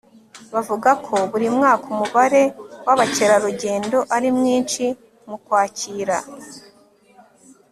bavuga ko buri mwaka umubare w'abakerarugendo ari mwinshi mu kwakira